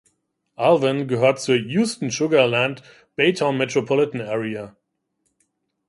Alvin gehört zur Houston–Sugar Land–Baytown Metropolitan Area.